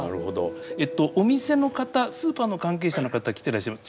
えっとお店の方スーパーの関係者の方来てらっしゃいます。